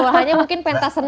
hanya mungkin pentas seni